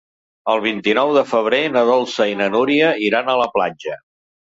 El vint-i-nou de febrer na Dolça i na Núria iran a la platja.